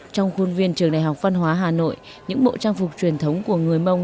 trong khuôn viên trường đại học văn hóa hà nội những bộ trang phục truyền thống của người mông